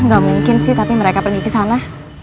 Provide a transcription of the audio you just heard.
gak mungkin sih tapi mereka pernah pergi ke sana